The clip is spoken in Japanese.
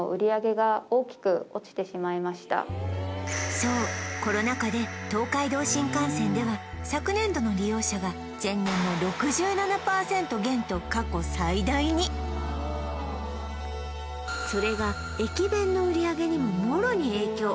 そうコロナ禍で東海道新幹線では昨年度の利用者が前年の６７％減と過去最大にそれが駅弁の売上にももろに影響